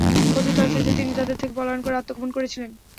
কথিত আছে যে, তিনি তাদের থেকে পলায়ন করে আত্মগোপন করেছিলেন।